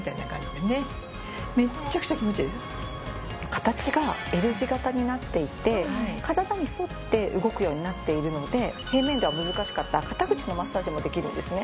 形がＬ字形になっていて体に沿って動くようになっているので平面では難しかった肩口のマッサージもできるんですね。